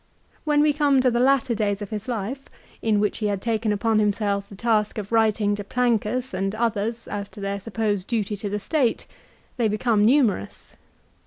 When we come to the latter days of his life, in which he had taken upon himself the task of writing to Plancus and others as to their supposed duty to the State, they become numerous.